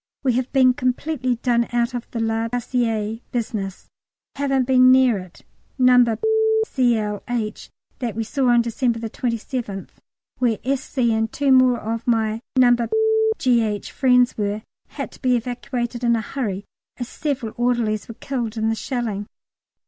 We have been completely done out of the La Bassée business; haven't been near it. No. Cl. H. that we saw on December 27th, where S.C. and two more of my No. G.H. friends were, had to be evacuated in a hurry, as several orderlies were killed in the shelling.